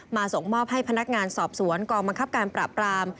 ส่งมอบให้พนักงานสอบสวนกองบังคับการปราบราม